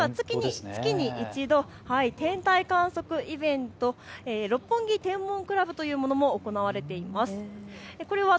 こちらでは月に１度、天体観測イベント、六本木天文クラブというものも行われています。